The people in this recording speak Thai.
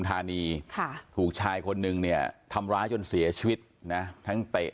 ธานีค่ะถูกชายคนนึงเนี่ยทำร้ายจนเสียชีวิตนะทั้งเตะ